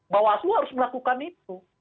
bawaslu harus melakukan itu